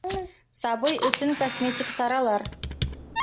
Сабый өсөн косметик саралар